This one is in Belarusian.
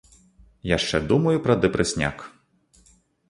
Яшчэ думаю пра дэпрэсняк.